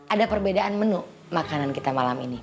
ada perbedaan menu makanan kita malam ini